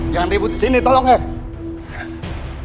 jangan ribut di sini tolong ya